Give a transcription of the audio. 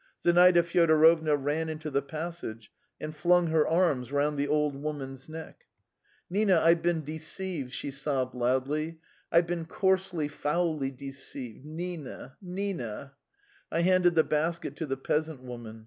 Zinaida Fyodorovna ran into the passage and flung her arms round the old woman's neck. "Nina, I've been deceived," she sobbed loudly. "I've been coarsely, foully deceived! Nina, Nina!" I handed the basket to the peasant woman.